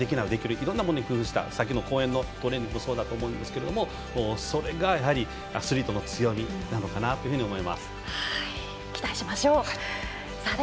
いろんなものに工夫した公園のトレーニングもそうだと思うんですけどそれが、アスリートの強みなのかなと思います。